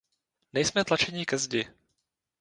Nejsme tlačeni ke zdi.